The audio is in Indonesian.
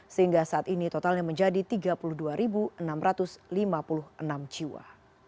sehingga saat ini totalnya menjadi tiga puluh dua enam ratus lima puluh enam jiwa